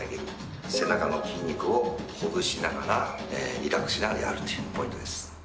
背中の筋肉をほぐしながらリラックスしながらやるというポイントです。